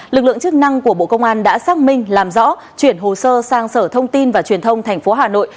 lực lượng chức năng của bộ công an đã xác minh làm rõ chuyển hồ sơ sang sở thông tin và truyền thông tp hà nội